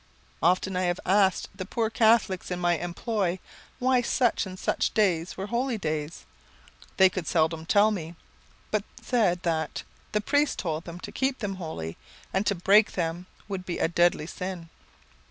Often have I asked the poor Catholics in my employ why such and such days were holy days? They could seldom tell me, but said that "the priest told them to keep them holy, and to break them would be a deadly sin."